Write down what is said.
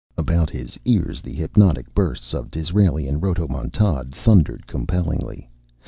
About his ears the hypnotic bursts of Disraelian rhodomontade thundered compellingly.